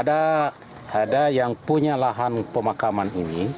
ada yang punya lahan pemakaman ini